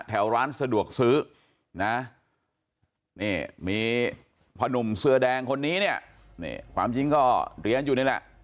แถวร้านสะดวกซื้อนะนี่มีพ่อหนุ่มเสื้อแดงคนนี้เนี่ยความจริงก็เรียนอยู่นี่แหละ